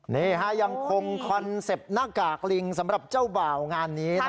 นี่ยังคงคอนเซ็ปต์หน้ากากลิงสำหรับเจ้าบ่าวงานนี้